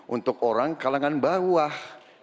untuk orang kalangan bawah